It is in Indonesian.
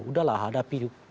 udah lah hadapi